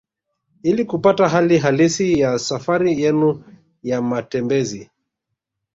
Ili kupata hali halisi ya safari yenu ya matembezi